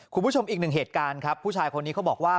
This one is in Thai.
คุณผู้ชมอีกหนึ่งเหตุการณ์ครับผู้ชายคนนี้เขาบอกว่า